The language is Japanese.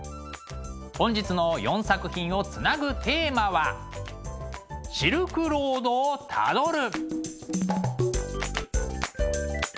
本日の４作品をつなぐテーマは「シルクロードをたどる」。